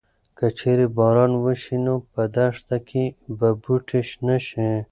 که چېرې باران وشي نو په دښته کې به بوټي شنه شي.